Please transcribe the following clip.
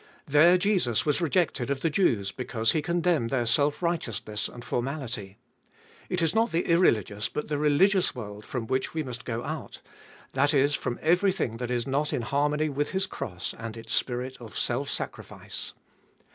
There Jesus was rejected of the Jews, because He condemned their self righteous ness and formality. It is not the irreligious but the religious world from which we must go out — that is, from everything that is not in harmony with His cross and its spirit of self sacrifice.